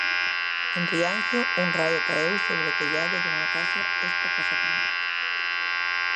En Rianxo, un raio caeu sobre o tellado dunha casa esta pasada noite.